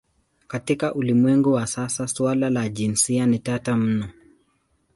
Katika ulimwengu wa sasa suala la jinsia ni tata mno.